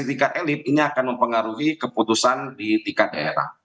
komunikasi tiga elit ini akan mempengaruhi keputusan di tiga daerah